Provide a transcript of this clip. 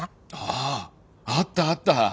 ああったあった。